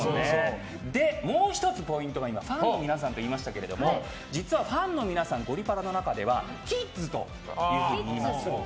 もう１つポイントがファンの皆さんといいましたが実はファンの皆さん「ゴリパラ」の中ではキッズというふうにいいます。